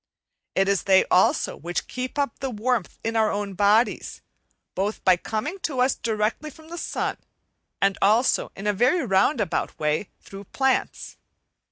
It is they also which keep up the warmth in our own bodies, both by coming to us directly from the sun, and also in a very roundabout way through plants.